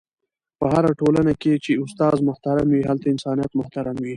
په هره ټولنه کي چي استاد محترم وي، هلته انسانیت محترم وي..